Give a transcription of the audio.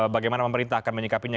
bagaimana pemerintah akan menyikapinya